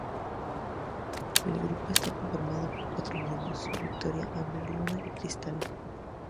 El grupo está conformado por cuatro miembros: Victoria, Amber, Luna y Krystal.